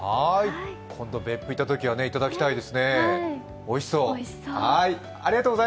今度、別府行ったときはいただきたいです、おいしそう。